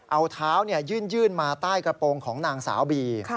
เอาเท้ายื่นมาใต้กระโปรงของนางสาวบี